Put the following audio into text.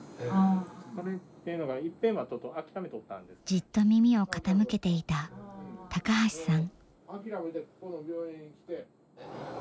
じっと耳を傾けていた高橋さん。